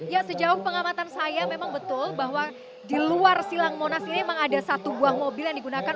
ya sejauh pengamatan saya memang betul bahwa di luar silang monas ini memang ada satu buah mobil yang digunakan